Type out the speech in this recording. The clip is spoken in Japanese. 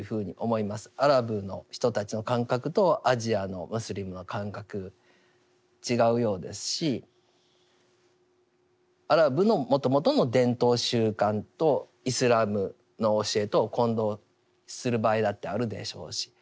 アラブの人たちの感覚とアジアのムスリムの感覚違うようですしアラブのもともとの伝統習慣とイスラムの教えとを混同する場合だってあるでしょうし。